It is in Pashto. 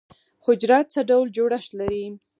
حجره څه ډول جوړښت لري؟